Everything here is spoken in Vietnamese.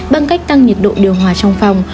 bằng cách tăng nhiệt độ điều hòa trong phòng